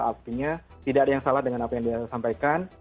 artinya tidak ada yang salah dengan apa yang dia sampaikan